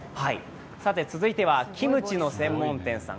続いてはキムチの専門店さん。